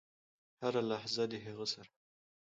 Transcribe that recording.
هره لحظه د هغه سره .